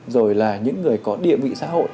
rồi là những người có địa vị xã hội